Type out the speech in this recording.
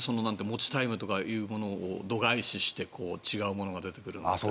持ちタイムとかいうものを度外視して違うものが出てくるのは。